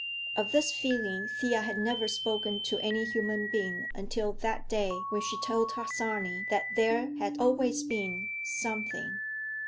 Of this feeling Thea had never spoken to any human being until that day when she told Harsanyi that "there had always been—something."